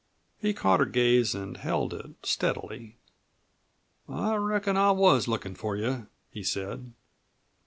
He caught her gaze and held it steadily. "I reckon I was lookin' for you," he said.